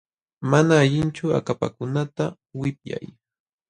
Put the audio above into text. Mana allinchu akapakunata wipyay.